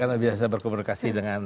karena biasa berkomunikasi dengan